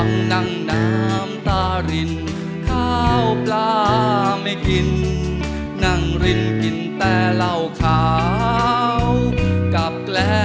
ขอให้โชคดีค่ะ